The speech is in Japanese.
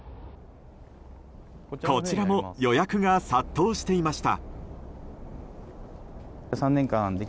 こちらも予約が殺到していました。